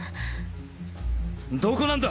どこなんだ？